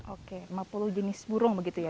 oke lima puluh jenis burung begitu ya